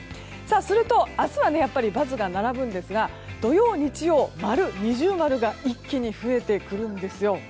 すると明日はやっぱり×が並ぶんですが土曜、日曜は〇、◎が一気に増えてくるんですよ。